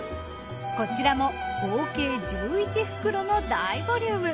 こちらも合計１１袋の大ボリューム。